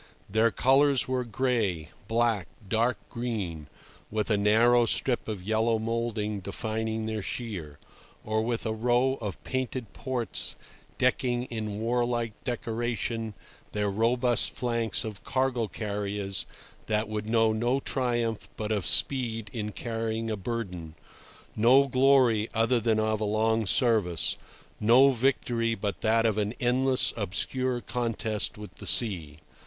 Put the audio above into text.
Their colours were gray, black, dark green, with a narrow strip of yellow moulding defining their sheer, or with a row of painted ports decking in warlike decoration their robust flanks of cargo carriers that would know no triumph but of speed in carrying a burden, no glory other than of a long service, no victory but that of an endless, obscure contest with the sea.